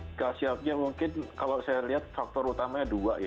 tidak siapnya mungkin kalau saya lihat faktor utamanya dua ya